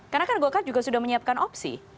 karena kan gokar juga sudah menyiapkan opsi